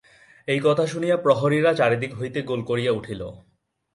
এই কথা শুনিয়া প্রহরীরা চারিদিক হইতে গোল করিয়া উঠিল।